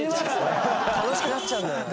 楽しくなっちゃうんだよな。